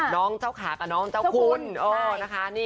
น้องเจ้าขากนะน้องเจ้าคุณ